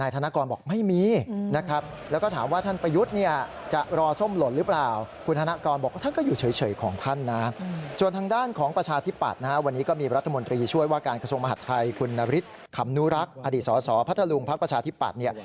อดีตสอพระทะลุงภักดิ์ประชาธิปัตย์